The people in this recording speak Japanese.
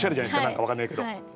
何か分からないけど。